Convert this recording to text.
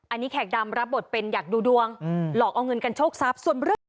อันนี้แขกดำรับบทเป็นอยากดูดวงหลอกเอาเงินกันโชคทรัพย์ส่วนเรื่อง